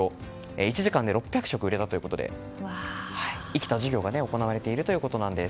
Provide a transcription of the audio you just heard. １時間で６００食売れたということで生きた授業が行われているということなんです。